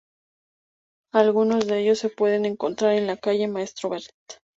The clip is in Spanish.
Algunos de ellos se pueden encontrar en la Calle Maestro Vert.